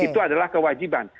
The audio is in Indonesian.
itu adalah kewajiban